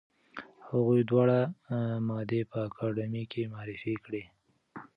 هغوی دواړه مادې په اکاډمۍ کې معرفي کړې.